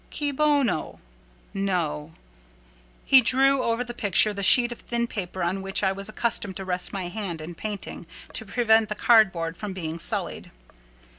"Cui bono? No." He drew over the picture the sheet of thin paper on which I was accustomed to rest my hand in painting, to prevent the cardboard from being sullied.